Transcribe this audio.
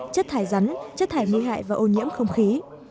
chất thải rắn chất thải nguy hại và ô nhiễm không khí